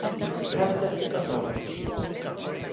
Sabes as que pasamos?